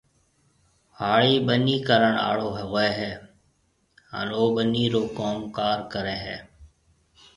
هاڙِي ٻنِي ڪرڻ آݪو هوئي هيَ هانَ او ٻنِي رو ڪوم ڪار ڪريَ هيَ۔